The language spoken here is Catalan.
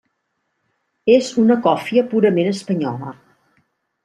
És una còfia purament espanyola.